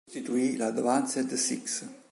Sostituì la Advanced Six.